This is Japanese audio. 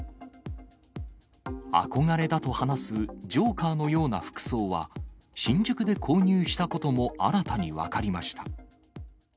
憧れだと話すジョーカーのような服装は、新宿で購入したことも新たに分かりました。